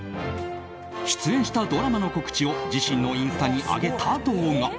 出演したドラマの告知を自身のインスタに上げた動画。